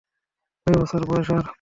ছয় বছর বয়স ওর!